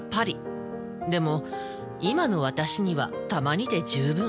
でも今の私にはたまにで十分。